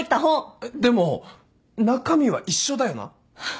えっでも中身は一緒だよな？